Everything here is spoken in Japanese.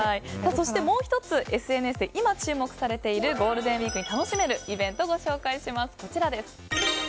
そして、もう１つＳＮＳで今注目されているゴールデンウィークに楽しめるイベントをご紹介します。